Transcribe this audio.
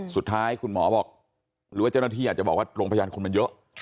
สุดท้ายคุณหมอบอกหรือว่าเจ้าหน้าที่อาจจะบอกว่าโรงพยาบาลคุณมันเยอะ